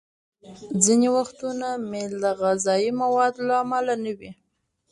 ځینې وختونه میل د غذايي موادو له امله نه وي.